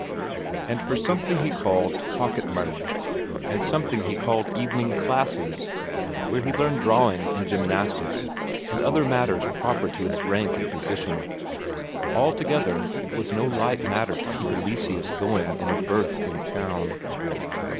And for something he called pocket money, and something he called evening classes, where he learned drawing and gymnastics and other matters proper to his rank and position. Altogether, it was no light matter to keep Eleseus going in a berth in town.